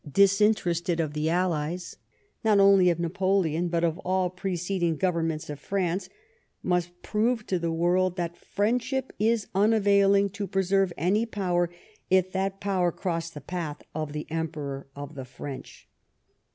disinterested of the allies, not only of Napoleon, but of all preceding Governments of France, must prove to the world that friendship is unavailing to preserve any Power, if that Power cross the path of the Emperor of the French."